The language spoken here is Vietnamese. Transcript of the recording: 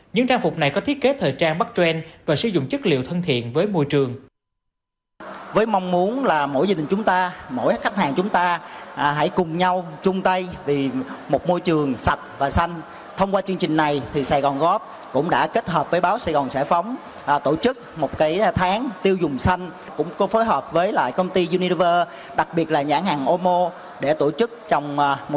những trang phục này có thiết kế thời trang bắt trend và sử dụng chất liệu thân thiện với môi trường